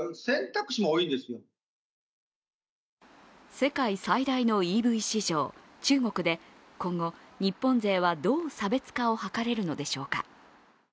世界最大のＥＶ市場、中国で今後、日本勢はどう差別化を図れるのでしょうか。